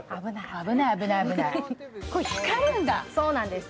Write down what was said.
危ない危ない危ないこれ光るんだそうなんです